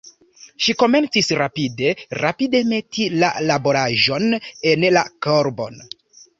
Ŝi komencis rapide, rapide meti la laboraĵon en la korbon.